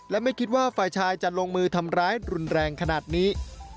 และไม่คิดว่าฝ่ายชายจะลงมือทำร้ายรุนแรงขนาดนี้